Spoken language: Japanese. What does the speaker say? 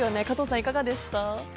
加藤さん、いかがでした？